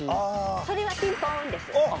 それはピンポンです。